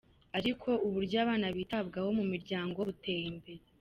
Ariko uburyo abana bitabwaho mu miryango buteye imbere.